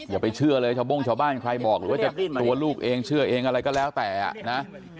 อย่าไปเชื่อเลยชาวโบ้งชาวบ้านใครบอกหรือว่าจะตัวลูกเองเชื่อเองอะไรก็แล้วแต่นะ